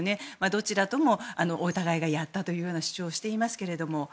どちらともお互いがやったという主張をしていますけども。